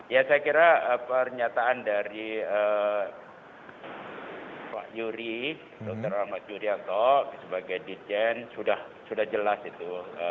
ya saya kira pernyataan dari pak yuri dr ahmad yuryanto sebagai dirjen sudah jelas itu